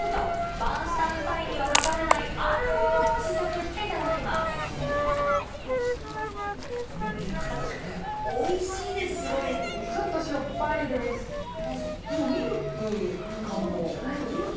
バンシタイ・ツァイには欠かせないあるものを試食していただきまあつ。